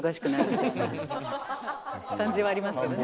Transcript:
感じはありますけどね。